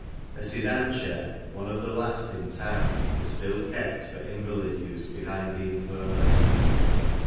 A sedan chair — one of the last in the town — was still kept for invalid use behind the Infirmary.